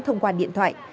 thông qua điện thoại